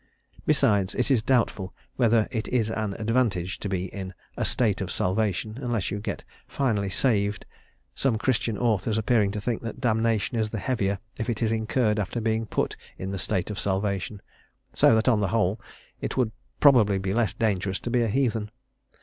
Besides, it is doubtful whether it is an advantage to be in a "state of salvation," unless you get finally saved, some Christian authors appearing to think that damnation is the heavier if it is incurred after being put in the state of salvation, so that, on the whole, it would probably be less dangerous to be a heathen.